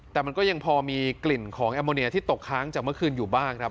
แต่มันก็ยังพอมีกลิ่นของแอมโมเนียที่ตกค้างจากเมื่อคืนอยู่บ้างครับ